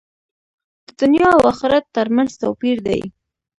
د دنیا او آخرت تر منځ توپیر دی.